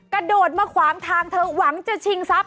กระโดดมาขวางทางเธอหวังจะชิงทรัพย